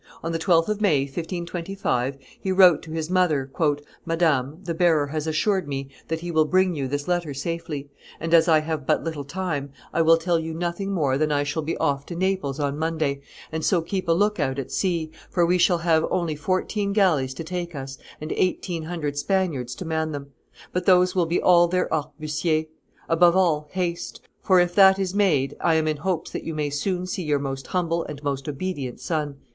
On the 12th of May, 1525, he wrote to his mother, "Madame, the bearer has assured me that he will bring you this letter safely; and, as I have but little time, I will tell you nothing more than I shall be off to Naples on Monday , and so keep a lookout at sea, for we shall have only fourteen galleys to take us and eighteen hundred Spaniards to man them; but those will be all their arquebusiers. Above all, haste: for, if that is made, I am in hopes that you may soon see your most humble and most obedient son."